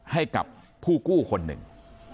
ให้กับผู้กู้คนหนึ่ง